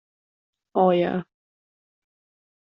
O, jā.